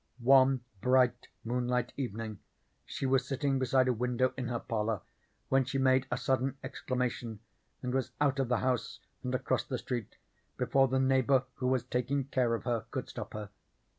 One bright moonlight evening she was sitting beside a window in her parlour when she made a sudden exclamation, and was out of the house and across the street before the neighbour who was taking care of her could stop her.